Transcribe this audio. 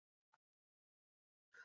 حق متعال پر هغوی باندي یوازي لعنت ویلی.